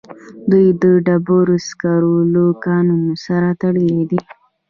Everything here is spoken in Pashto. دوی د ډبرو سکارو له کانونو سره تړلي دي